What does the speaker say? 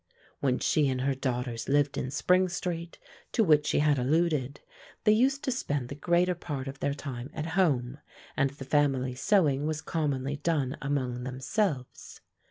When she and her daughters lived in Spring Street, to which she had alluded, they used to spend the greater part of their time at home, and the family sewing was commonly done among themselves.